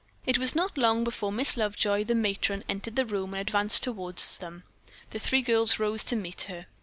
It was not long before Miss Lovejoy, the matron entered the room and advanced toward them. The three girls rose to greet her.